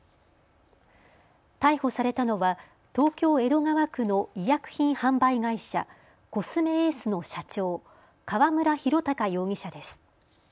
逮捕されたのは東京江戸川区の医薬品販売会社コスメエースの社長、河邨弘隆容疑者です。